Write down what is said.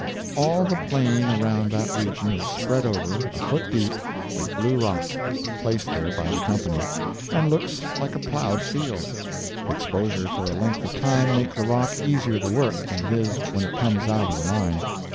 All the plain around that region is spread over, a foot deep, with blue rock, placed there by the Company, and looks like a plowed field. Exposure for a length of time make the rock easier to work than it is when it comes out of the mine.